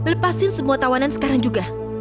lepasin semua tawanan sekarang juga